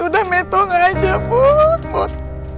udah metong aja put put